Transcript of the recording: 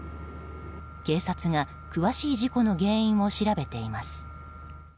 警察が詳しい事故の原因を調べています。